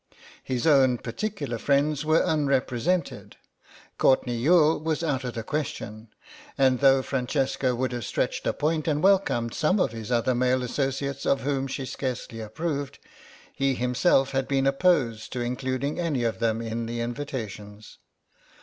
His own particular friends were unrepresented. Courtenay Youghal was out of the question; and though Francesca would have stretched a point and welcomed some of his other male associates of whom she scarcely approved, he himself had been opposed to including any of them in the invitations.